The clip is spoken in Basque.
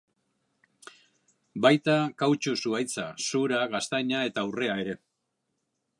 Baita kautxu zuhaitza, zura, gaztaina eta urrea ere.